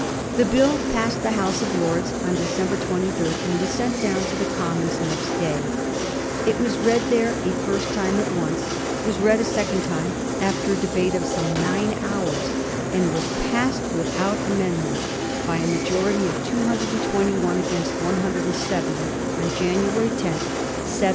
The Bill passed the House of Lords on December 23, and was sent down to the Commons next day. It was read there a first time at once, was read a second time after a debate of some nine hours, and was passed without amendment by a majority of 221 against 170 on January 10, 1719.